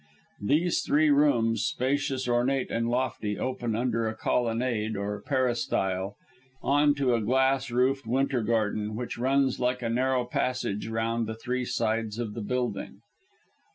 These three rooms, spacious, ornate, and lofty, open under a colonnade, or peristyle, on to a glass roofed winter garden, which runs like a narrow passage round the three sides of the building.